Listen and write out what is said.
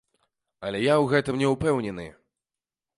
Але я ў гэтым не ўпэўнены.